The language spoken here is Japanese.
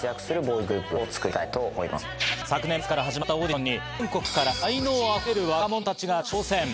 昨年末から始まったオーディションに全国から才能溢れる若者たちが挑戦。